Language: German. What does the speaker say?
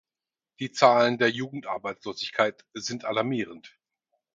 Die Zahlen der Jugendarbeitslosigkeit sind alarmierend.